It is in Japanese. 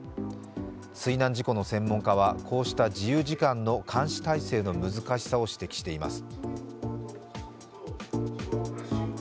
水難事故の専門家はこうした自由時間の監視態勢の難しさを指摘しています。